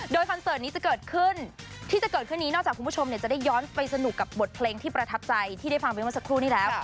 โดยคอนเสิร์ตนี้จะเกิดขึ้นที่จะเกิดขึ้นนี้นอกจากคุณผู้ชมจะได้ย้อนไปสนุกกับบทเพลงที่ประทับใจที่ได้ฟังไปเมื่อสักครู่นี้แล้ว